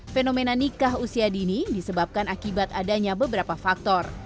fenomena nikah usia dini disebabkan akibat adanya beberapa faktor